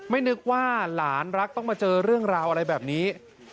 นึกว่าหลานรักต้องมาเจอเรื่องราวอะไรแบบนี้